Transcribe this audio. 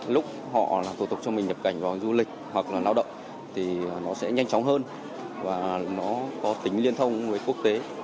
lúc họ làm thủ tục cho mình nhập cảnh vào du lịch hoặc là lao động thì nó sẽ nhanh chóng hơn và nó có tính liên thông với quốc tế